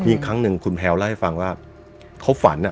อีกครั้งหนึ่งคุณแพลวเล่าให้ฟังว่าเขาฝัน